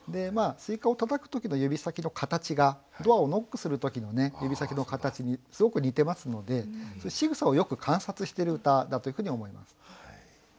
西瓜をたたく時の指先の形がドアをノックする時の指先の形にすごく似てますのでしぐさをよく観察している歌だというふうに思います。